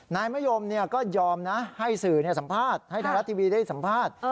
นายมะยมก็ยอมนะให้สื่อสัมภาษณ์ให้ไทยรัฐทีวีได้สัมภาษณ์